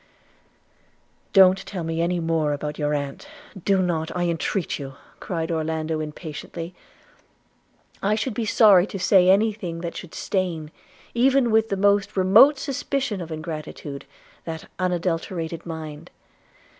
'Don't tell me any more about your aunt, do not, I entreat you,' cried Orlando impatiently. 'I should be sorry to say any thing that should stain, even with the most remote suspicion of ingratitude, that unadulterated mind.